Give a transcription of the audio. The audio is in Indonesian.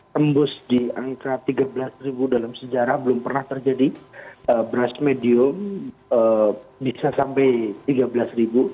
terhembus diangkat tiga belas dalam sejarah belum pernah terjadi beras medium bisa sampai tiga belas